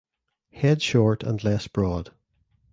Head short and less broad.